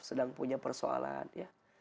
sedang punya persoalan ya